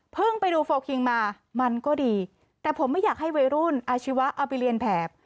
ไปดูโฟลคิงมามันก็ดีแต่ผมไม่อยากให้วัยรุ่นอาชีวะเอาไปเรียนแบบ